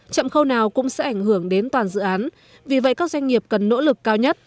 chậm khâu nào cũng sẽ ảnh hưởng đến toàn dự án vì vậy các doanh nghiệp cần nỗ lực cao nhất